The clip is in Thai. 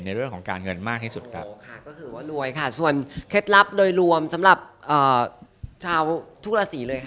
ในเรื่องของการเงินมากทั้งสุด